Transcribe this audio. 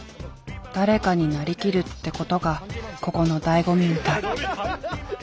誰かになりきるってことがここの醍醐味みたい。